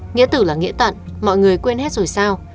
nghĩa tử là nghĩa tận mọi người quên hết rồi sao